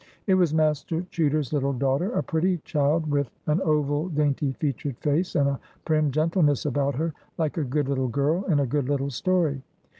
It was Master Chuter's little daughter, a pretty child, with an oval, dainty featured face, and a prim gentleness about her, like a good little girl in a good little story.